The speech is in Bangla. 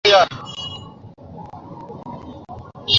পার্বত্য শান্তি চুক্তির আওতায় এসব স্থাপন করা হচ্ছে বলে জানা গেছে।